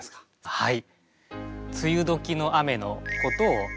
はい。